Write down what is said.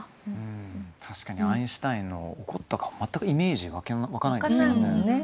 確かにアインシュタインの怒った顔全くイメージ湧かないですよね。